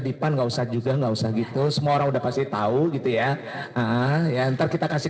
dipan enggak usah juga enggak usah gitu semua udah pasti tahu gitu ya ah ya ntar kita kasih